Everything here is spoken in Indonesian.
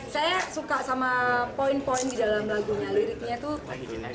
saya suka sama poin poin di dalam lagunya liriknya tuh